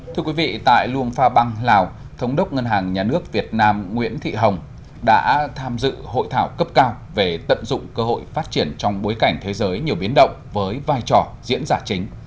thưa quý vị tại luông pha băng lào thống đốc ngân hàng nhà nước việt nam nguyễn thị hồng đã tham dự hội thảo cấp cao về tận dụng cơ hội phát triển trong bối cảnh thế giới nhiều biến động với vai trò diễn giả chính